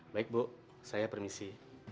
baik bu saya permisi